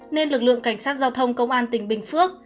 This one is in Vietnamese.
nên lực lượng cảnh sát giao thông công an tỉnh bình phước